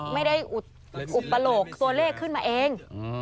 ไม่ได้อุปโลกตัวเลขขึ้นมาเอง